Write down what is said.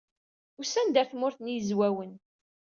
Usant-d ɣer Tmurt n Yizwawen.